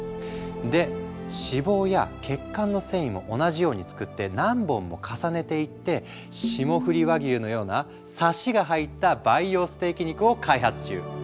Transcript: で脂肪や血管の繊維も同じように作って何本も重ねていって霜降り和牛のようなサシが入った培養ステーキ肉を開発中。